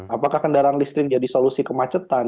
apakah kendaraan listrik jadi solusi kemacetan